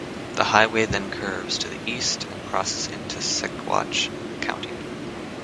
The highway then curves to the east and crosses into Sequatchie County.